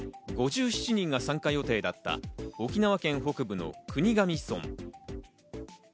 ５７人が参加予定だった沖縄県北部の国頭村。